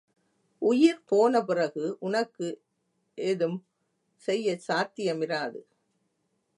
உயிர் போனபிறகு உனக்கு எதும் செய்யச் சாத்தியமிராது.